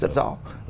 là chúng ta có thể